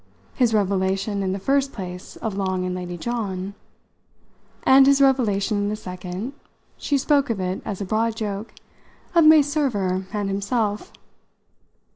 "His revelation, in the first place, of Long and Lady John?" "And his revelation in the second" she spoke of it as a broad joke "of May Server and himself."